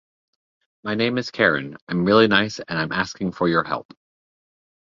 My name is Karyn, I'm really nice and I'm asking for your help!